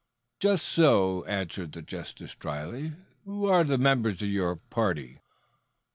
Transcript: "Just so," answered the justice dryly. "Who are the members of your party?"